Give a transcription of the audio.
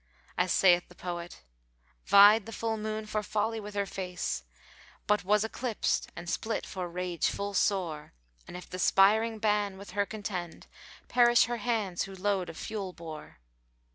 As saith the poet, "Vied the full moon for folly with her face, * But was eclipsed[FN#452] and split for rage full sore; And if the spiring Bán with her contend * Perish her hands who load of fuel bore!"